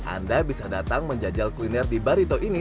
anda bisa datang menjajal kuliner di barito ini